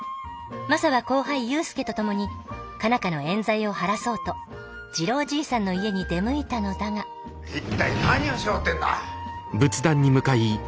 マサは後輩勇介と共に佳奈花のえん罪を晴らそうと次郎じいさんの家に出向いたのだが一体何をしようってんだ。